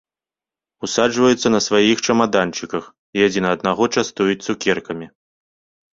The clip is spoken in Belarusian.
Усаджваюцца на сваіх чамаданчыках і адзін аднаго частуюць цукеркамі.